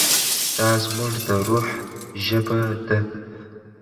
دا زموږ د روح ژبه ده.